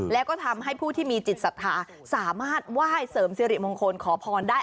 แล้วก็ทำให้ผู้ที่มีจิตศรัทธาสามารถไหว้เสริมสิริมงคลขอพรได้